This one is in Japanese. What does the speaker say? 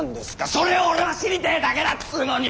それを俺は知りてーだけだっつーのに！